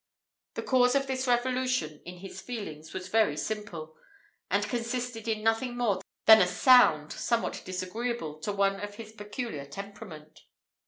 The cause of this revolution in his feelings was very simple, and consisted in nothing more than a sound, somewhat disagreeable to one of his peculiar temperament.